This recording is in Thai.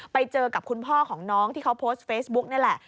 ไปเจอกับคุณพ่อของน้องที่เขาโพสต์เฟซบุ๊กนี่แหละ